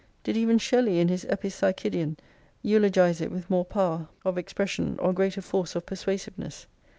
Did even Shelley in his " Epipsv' hidion " eulogise it with more power of xxvii expresslou, or greater force of persuasiveness